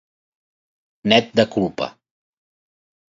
Net de culpa.